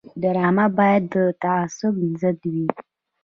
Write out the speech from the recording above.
ډرامه باید د تعصب ضد وي